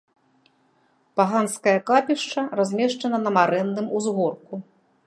Паганскае капішча размешчана на марэнным узгорку.